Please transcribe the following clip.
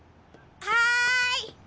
はい！